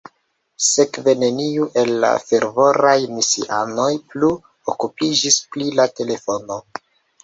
Sekve neniu el la fervoraj misianoj plu okupiĝis pri la telefono.